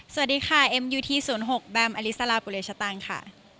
สวัสดีค่ะเอ็มยูที๐๖แบมอลิสลาปุเลชตันค่ะ